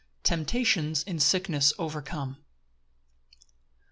Temptations in sickness overcome.